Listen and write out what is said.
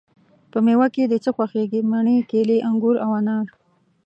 په میوه کی د څه خوښیږی؟ مڼې، کیلې، انګور او انار